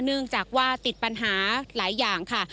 เนื่องจากว่าติดปัญหาหลายอย่างค่ะ